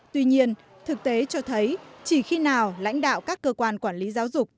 tuy nhiên thực tế cho thấy chỉ khi nào lãnh đạo các cơ quan quản lý giáo dục